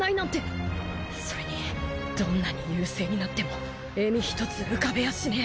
それにどんなに優勢になっても笑み一つ浮かべやしねえ